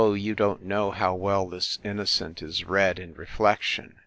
you don't know how well this innocent is read in reflection.